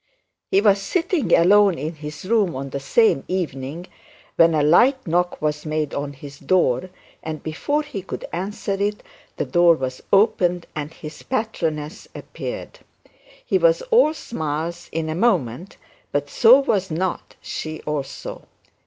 He was sitting alone in his room on the same evening when a light knock was made on his door, and before he could answer it the door was opened, and his patroness appeared. He was all smiles in a moment, but so was not she also.